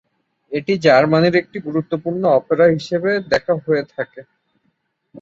এটি জার্মানির একটি গুরুত্বপূর্ণ অপেরা হিসেবে দেখা হয়ে থাকে।